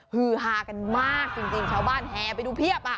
ฮือฮากันมากจริงชาวบ้านแห่ไปดูเพียบ